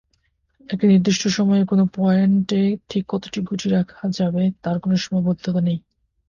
একটা নির্দিষ্ট সময়ে কোন পয়েন্টে ঠিক কতটা গুটি রাখা যাবে তার কোন সীমাবদ্ধতা নেই।